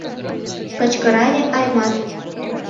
— кычкырале Аймат.